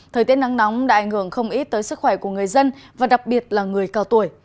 thời tiết nắng nóng đã ảnh hưởng không ít tới sức khỏe của người dân và đặc biệt là người cao tuổi